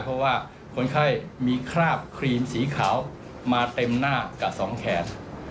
เพราะว่าคนไข้มีคราบครีมสีขาวมาเต็มหน้ากับสองแขน